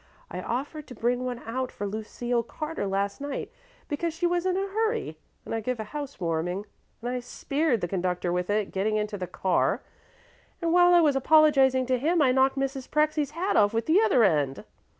I offered to bring one out for Lucille Carter last night, because she was in a hurry to give a house warming, and I speared the conductor with it getting into the car; and while I was apologizing to him I knocked Mrs. Prexy's hat off with the other end."